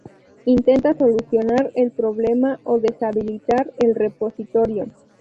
intenta solucionar el problema o deshabilitar el repositorio.